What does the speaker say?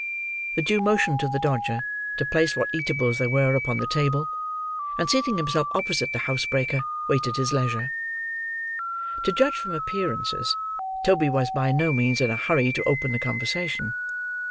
The Jew motioned to the Dodger to place what eatables there were, upon the table; and, seating himself opposite the housebreaker, waited his leisure. To judge from appearances, Toby was by no means in a hurry to open the conversation.